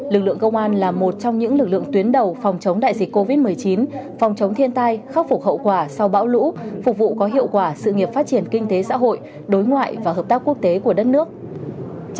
lực lượng công an là một trong những lực lượng tuyến đầu phòng chống đại dịch covid một mươi chín phòng chống thiên tai khắc phục hậu quả sau bão lũ phục vụ có hiệu quả sự nghiệp phát triển kinh tế xã hội đối ngoại và hợp tác quốc tế của đất nước